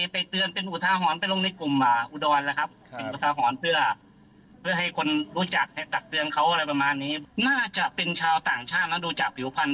เพื่อให้ทุกคนรู้จักกับเรื่องของเขาน่าจะเป็นชาวสงสัยมาดูจากผิวพันธุ์